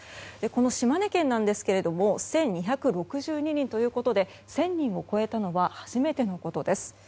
この島根県ですが１２６２人ということで１０００人を超えたのは初めてのことです。